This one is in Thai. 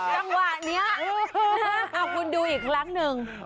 จังหวะนี้เอาคุณดูอีกครั้งหนึ่ง